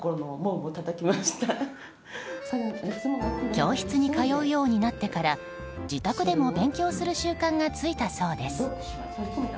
教室に通うようになってから自宅でも勉強する習慣がついたそうです。